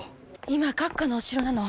今閣下のお城なの。